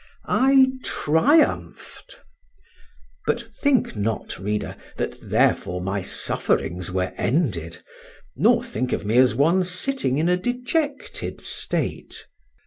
I triumphed. But think not, reader, that therefore my sufferings were ended, nor think of me as of one sitting in a dejected state.